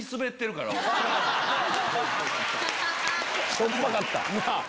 しょっぱかった！